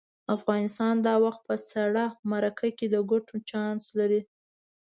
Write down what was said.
افغانستان دا وخت په سړه مرکه کې د ګټو چانس لري.